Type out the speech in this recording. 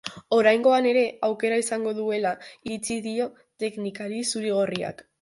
Oraingoan ere aukera izango duela iritzi dio teknikari zuri-gorriak.